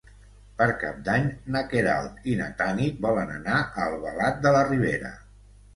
Per Cap d'Any na Queralt i na Tanit volen anar a Albalat de la Ribera.